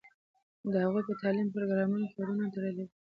د هغوی په تعلیمي پروګرامونو کې ورونه تړلي وي.